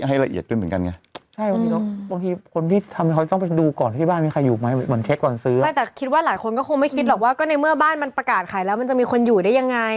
หรือว่าในเมื่อบ้านมันประกาศขายแล้วมันจะมีคนอยู่ได้ยังไง